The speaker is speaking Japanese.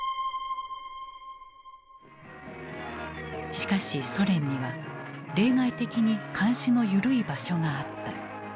しかしソ連には例外的に監視の緩い場所があった。